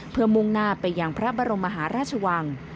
เพื่อมุ่งหน้าไปยังพระบรมมหาราชวัง